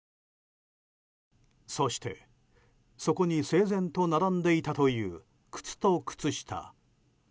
そして、そこに整然と並んでいたという靴と靴下。